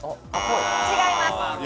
違います。